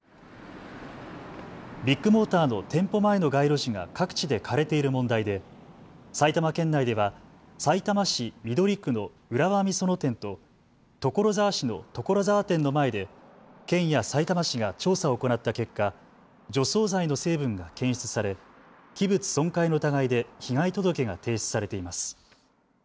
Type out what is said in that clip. ビッグモーターの店舗前の街路樹が各地で枯れている問題で埼玉県内ではさいたま市緑区の浦和美園店と所沢市の所沢店の前で県やさいたま市が調査を行った結果、除草剤の成分が検出され、器物損壊の疑いで被害届が提出されています。